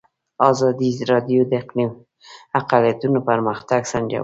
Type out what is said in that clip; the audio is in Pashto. ازادي راډیو د اقلیتونه پرمختګ سنجولی.